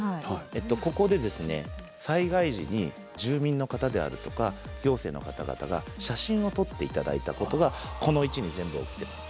ここで災害時に住民の方であるとか行政の方々が写真を撮って頂いたことがこの位置に全部起きてます。